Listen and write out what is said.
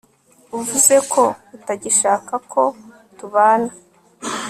uvuze ko utagishaka ko tubana